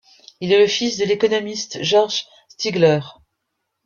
Il est le fils de l'économiste George Stigler.